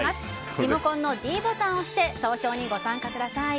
リモコンのｄボタンを押して投票にご参加ください。